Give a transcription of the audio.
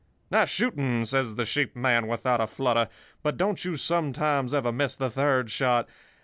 "'Nice shooting,' says the sheep man, without a flutter. 'But don't you sometimes ever miss the third shot?